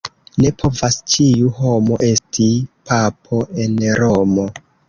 Ne povas ĉiu homo esti papo en Romo.